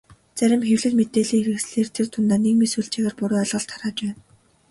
Зарим хэвлэл, мэдээллийн хэрэгслээр тэр дундаа нийгмийн сүлжээгээр буруу ойлголт тарааж байна.